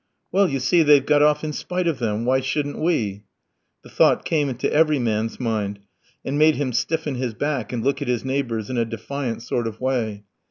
"Well, you see they've got off in spite of them! Why shouldn't we?" The thought came into every man's mind, and made him stiffen his back and look at his neighbours in a defiant sort of way.